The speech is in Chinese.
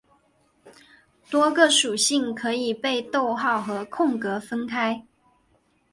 多个属性可以被逗号和空格分开。